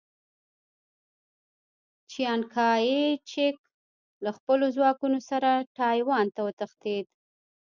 چیانکایچک له خپلو ځواکونو سره ټایوان ته وتښتېد.